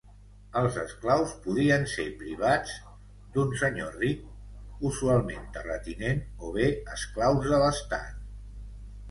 Els esclaus podien ser privats, d'un senyor ric, usualment terratinent, o bé esclaus de l'estat.